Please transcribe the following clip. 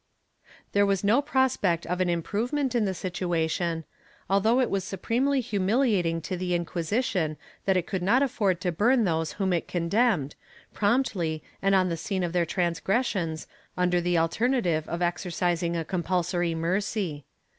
There was no prospect of an improvement in the situation, although it was supremely humiliating to the Inquisition that it could not afford to burn those whom it condemned, promptly and on the scene of their transgressions, under the alternative of exercising a compulsory mercy.